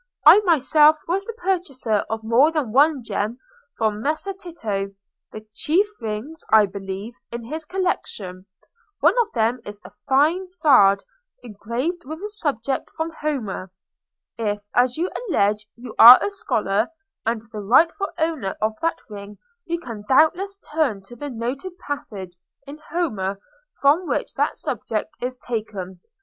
I myself was the purchaser of more than one gem from Messer Tito—the chief rings, I believe, in his collection. One of them is a fine sard, engraved with a subject from Homer. If, as you allege, you are a scholar, and the rightful owner of that ring, you can doubtless turn to the noted passage in Homer from which that subject is taken.